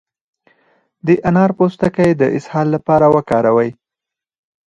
د انار پوستکی د اسهال لپاره وکاروئ